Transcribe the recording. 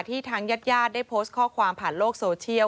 ที่ทั้งยัดยาดได้โพสต์ข้อความผ่านโลกโซเชียว